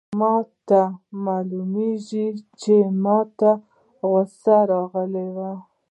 ما ته معلومیږي چي ما ته غوسه راغلې ده.